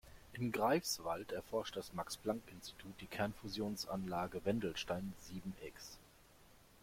In Greifswald erforscht das Max-Planck-Institut die Kernfusionsanlage Wendelstein sieben-X.